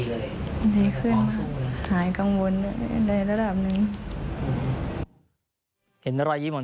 ดีขึ้นมาหายกังวลในระดับหนึ่ง